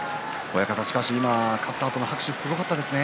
今、勝ったあとの拍手がすごかったですね。